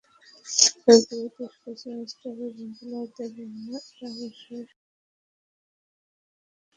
তবে পুরো দেশ, কোচিং স্টাফ এবং খেলোয়াড়দের জন্য এটা অবশ্যই সন্তুষ্টির।